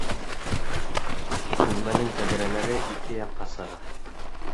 Бүлмәнең тәҙрәләре ике яҡҡа сыға